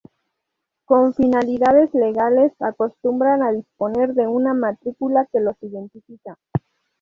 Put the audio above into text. Con finalidades legales, acostumbran a disponer de una matrícula que los identifica.